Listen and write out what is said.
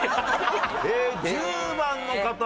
え１０番の方